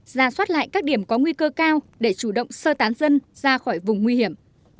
ra soát lại các điểm có nguy cơ cao để chủ động sơ tán dân ra khỏi vùng nguy hiểm